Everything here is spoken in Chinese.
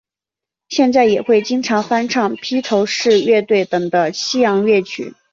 现在也会经常翻唱披头四乐队等的西洋乐曲。